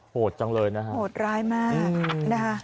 โหดจังเลยนะฮะโหดร้ายมากนะคะ